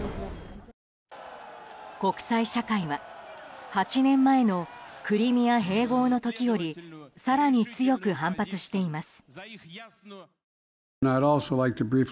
国際社会は８年前のクリミア併合の時より更に強く反発しています。